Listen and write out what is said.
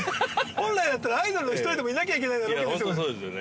本来だったらアイドルの１人でもいなきゃいけないようなロケですよ。